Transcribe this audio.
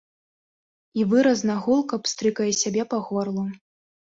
І выразна, гулка пстрыкае сябе па горлу.